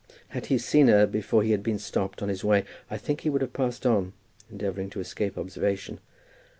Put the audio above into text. Had he seen her before he had been stopped on his way I think he would have passed on, endeavouring to escape observation.